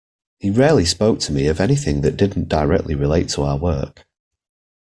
He rarely spoke to me of anything that didn't directly relate to our work.